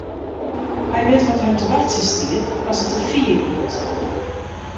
Hy wit wat him te wachtsjen stiet as er te fier giet.